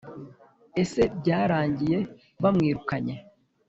ese byarangiye bamwirukanye